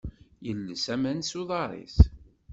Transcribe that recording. Yelles aman s uḍar-is.